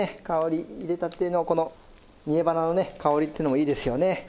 香り入れたてのこの煮えばなのね香りっていうのもいいですよね。